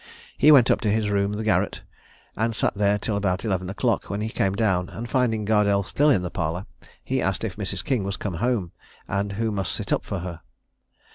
He went up into his room, the garret, and sat there till about eleven o'clock, when he came down, and finding Gardelle still in the parlour, he asked if Mrs. King was come home, and who must sit up for her?